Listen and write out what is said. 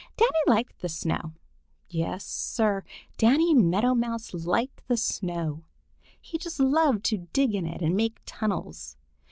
Danny liked the snow. Yes, Sir, Danny Meadow Mouse liked the snow. He just loved to dig in it and make tunnels.